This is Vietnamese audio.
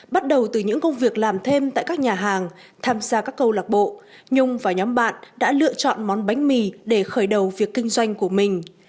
bắt đầu từ những công việc làm thêm tại các nhà hàng tham gia các câu lạc bộ nhung và nhóm bạn đã lựa chọn món bánh mì để khởi đầu việc kinh doanh của mình